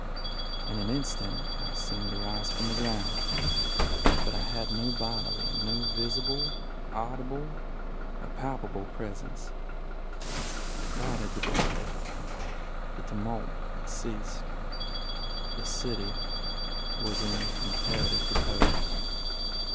In an instant I seemed to rise from the ground. But I had no bodily, no visible, audible, or palpable presence. The crowd had departed. The tumult had ceased. The city was in comparative repose.